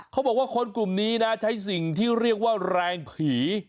เขาบอกว่าคนกลุ่มนี้นะใช้สิ่งที่เรียกว่าแรงผี